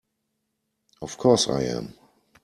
Of course I am!